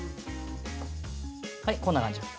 はい、こんな感じ。